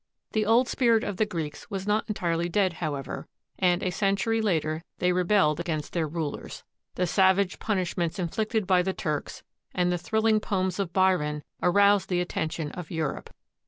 The old spirit of the Greeks was not entirely dead, however, and a century later, they rebelled against their rulers. The savage punishments inflicted by the Turks and the thrilling poems of Byron aroused th« attention of Europe.